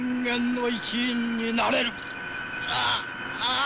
ああ！